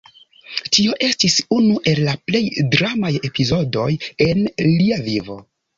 Tio estis unu el la plej dramaj epizodoj en lia vivo.